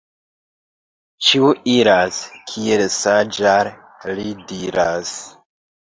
Ĉiu iras, kiel saĝ' al li diras.